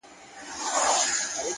خپل اصول مه پلورئ،